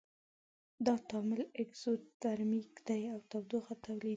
دا تعامل اکزوترمیک دی او تودوخه تولیدیږي.